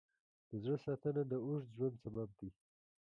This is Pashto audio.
د زړه ساتنه د اوږد ژوند سبب کېږي.